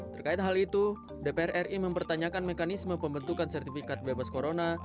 terkait hal itu dpr ri mempertanyakan mekanisme pembentukan sertifikat bebas corona